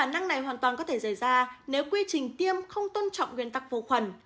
khả năng này hoàn toàn có thể xảy ra nếu quy trình tiêm không tôn trọng nguyên tắc vô khuẩn